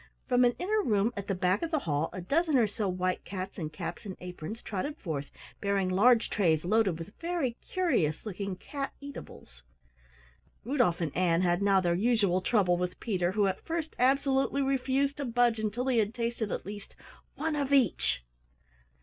From an inner room at the back of the hall a dozen or so white cats in caps and aprons trotted forth bearing large trays loaded with very curious looking cat eatables. Rudolf and Ann had now their usual trouble with Peter who at first absolutely refused to budge until he had tasted at least "one of each".